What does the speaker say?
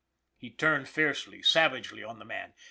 " He turned fiercely, savagely on the man.